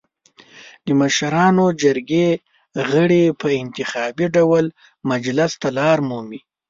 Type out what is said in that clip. د مشرانو جرګې غړي په انتخابي ډول مجلس ته لار مومي.